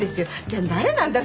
じゃあ誰なんだ？